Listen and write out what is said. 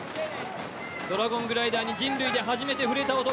ドラゴングライダーに人類で初めて触れた男。